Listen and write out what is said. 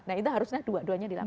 nah itu harusnya dua duanya dilakukan